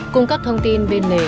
cung cấp thông tin bên lề